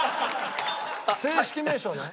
正式名称ね。